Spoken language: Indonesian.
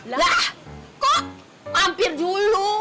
lah kok mampir dulu